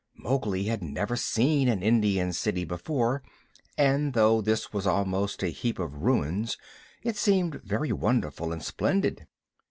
Mowgli had never seen an Indian city before, and though this was almost a heap of ruins it seemed very wonderful and splendid.